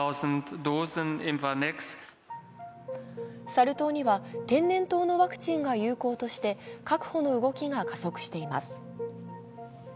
サル痘には天然痘のワクチンが有効として確保の動きが加速しています。